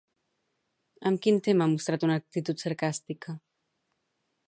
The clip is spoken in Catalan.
Amb quin tema ha mostrat una actitud sarcàstica?